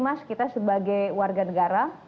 mas kita sebagai warga negara